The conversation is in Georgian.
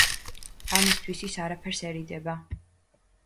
ამისთვის ის არაფერს ერიდება.